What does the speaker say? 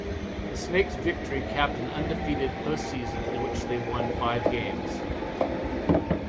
The Snakes' victory capped an undefeated postseason in which they won five games.